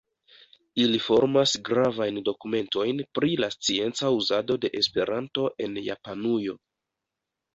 Ili formas gravajn dokumentojn pri la scienca uzado de Esperanto en Japanujo.